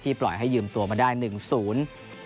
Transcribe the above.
ปล่อยให้ยืมตัวมาได้หนึ่งศูนย์